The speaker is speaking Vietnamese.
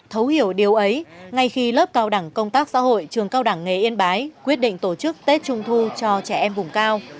thấu hiểu điều ấy ngay khi lớp cao đẳng công tác xã hội trường cao đẳng nghề yên bái quyết định tổ chức tết trung thu cho trẻ em vùng cao